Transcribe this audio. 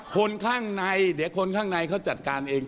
คนข้างในเดี๋ยวคนข้างในเขาจัดการเอง